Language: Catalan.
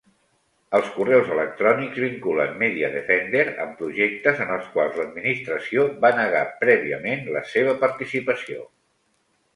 Els correus electrònics vinculen MediaDefender amb projectes en els quals l'administració va negar prèviament la seva participació.